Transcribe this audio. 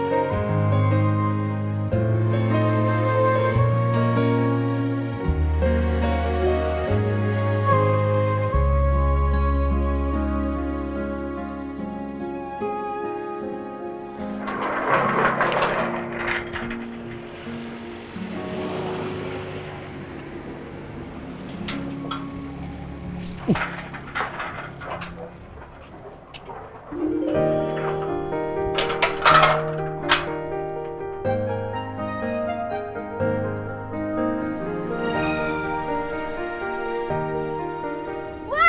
badannya mana masam